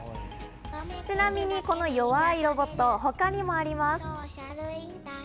ちなみにこの弱いロボット、他にもあります。